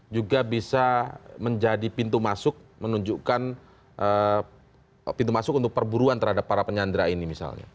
juga bisa menjadi pintu masuk menunjukkan pintu masuk untuk perburuan terhadap para penyandra ini misalnya